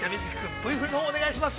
Ｖ振りのほうをお願いします。